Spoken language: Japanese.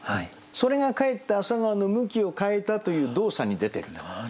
それがかえって朝顔の向きを変えたという動作に出てると。